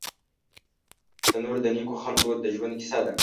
تنور د نیکو خلکو د ژوند کیسه ده